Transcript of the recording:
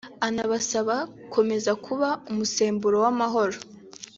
anabasaba gukomeza kuba umusemburo w’amahoro